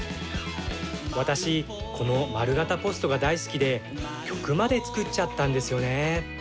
私、この丸型ポストが大好きで曲まで作っちゃったんですよね。